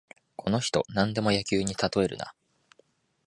この人、なんでも野球にたとえるな